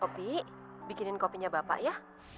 kopi bikinin kopinya bapak ya